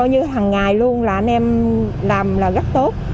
hằng ngày luôn là anh em làm rất tốt